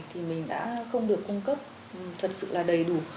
thì mình đã không được cung cấp thật sự là đầy đủ